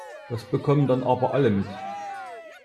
Das bekommen dann aber alle mit.